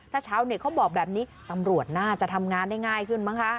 ถ้าชาวเน็ตเขาบอกแบบนี้ตำรวจน่าจะทำงานได้ง่ายขึ้นมั้งคะ